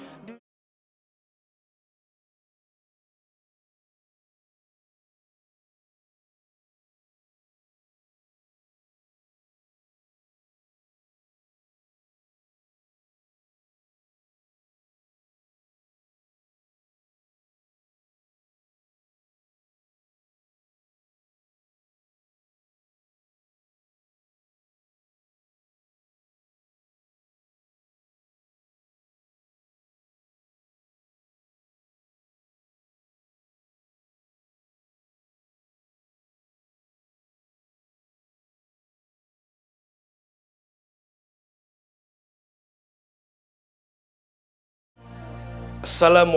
assalamualaikum warahmatullahi wabarakatuh